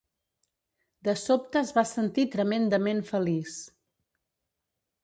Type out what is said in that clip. De sobte es va sentir tremendament feliç.